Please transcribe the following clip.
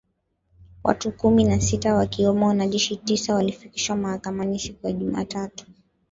Watu kumi na sita wakiwemo wanajeshi tisa walifikishwa mahakamani siku ya Jumatatu